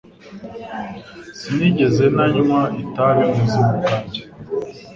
Sinigeze nanywa itabi mubuzima bwanjye.